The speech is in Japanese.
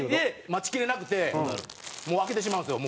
待ちきれなくてもう開けてしまうんですよ